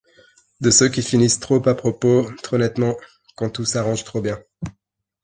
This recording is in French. De ceux qui finissent trop à propos, trop nettement… quand tout s’arrange trop bien.